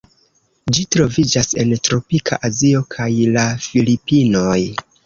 Ĝi troviĝas en tropika Azio kaj la Filipinoj.